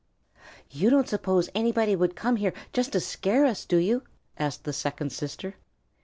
"You don't suppose anybody would come here just to scare us, do you?" asked the second sister.